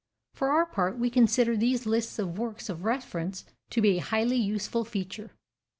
For our part, we consider these lists of works of reference to be a highly useful feature.